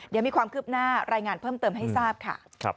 เดี๋ยวมีความคืบหน้ารายงานเพิ่มเติมให้ทราบค่ะ